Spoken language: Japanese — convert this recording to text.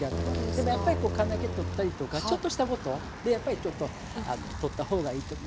でもやっぱりこう金気取ったりとかちょっとしたことでやっぱりちょっと取った方がいいと思うし。